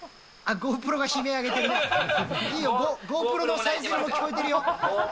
ゴープロのさえずりも聞こえてるよ。